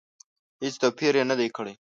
هېڅ توپیر یې نه دی کړی.